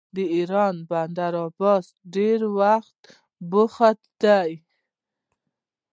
د ایران بندر عباس ډیر بوخت دی.